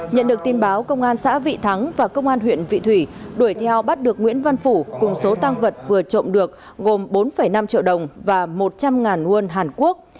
nhận được tin báo công an xã vị thắng và công an huyện vị thủy đuổi theo bắt được nguyễn văn phủ cùng số tăng vật vừa trộm được gồm bốn năm triệu đồng và một trăm linh won hàn quốc